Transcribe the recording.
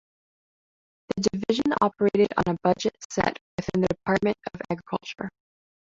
The division operated on a budget set within the Department of Agriculture.